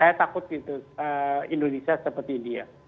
saya takut gitu indonesia seperti india